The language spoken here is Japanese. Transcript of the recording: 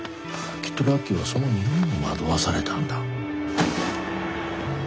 きっとラッキーはその匂いに惑わされたんだ。